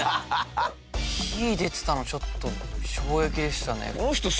火出てたのちょっと衝撃でしたね。